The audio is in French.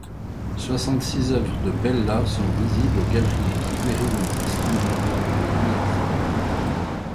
Soixante-six œuvres de Bella sont visibles aux Galleries Querini-Stampalia à Venise.